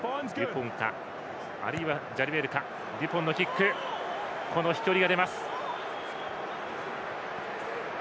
デュポンのキックは飛距離が出ます。